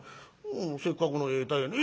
せっかくのええ鯛やのに。